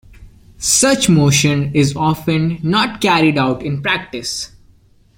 Such motion is often not carried out in practice.